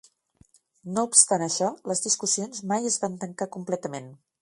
No obstant això, les discussions mai es van tancar completament.